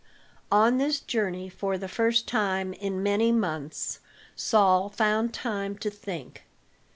On this journey for the first time in many months Saul found time to think.